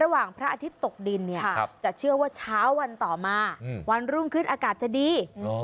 ระหว่างพระอาทิตย์ตกดินจะเชื่อว่าช้าวันต่อมาวันรุ่งขึ้นอากาศจะดี